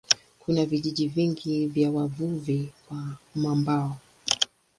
Kuna vijiji vingi vya wavuvi kwenye mwambao.